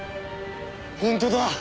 本当だ。